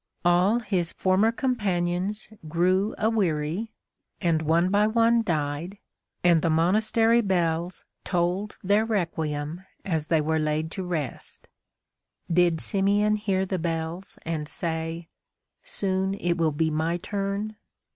All his former companions grew aweary, and one by one died, and the monastery bells tolled their requiem as they were laid to rest. Did Simeon hear the bells and say, "Soon it will be my turn"?